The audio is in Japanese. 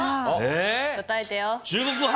答えてよ。